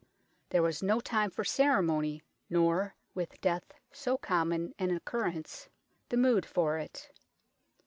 There was no time for ceremony, nor, with death so common an occurrence, the mood for it.